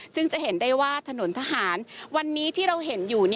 ซึ่งจะเห็นได้ว่าถนนทหารวันนี้ที่เราเห็นอยู่